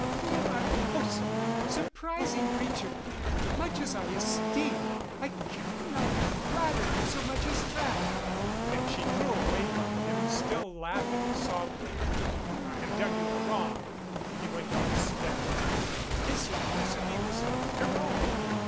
"You are the most surprising creature! Much as I esteem, I cannot flatter you so much as that." And she drew away from him, still laughing softly. "I have done you a wrong," he went on steadily. His simplicity was heroic.